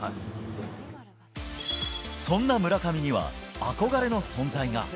そんな村上には、憧れの存在が。